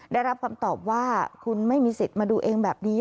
ได้รับคำตอบว่าคุณไม่มีสิทธิ์มาดูเองแบบนี้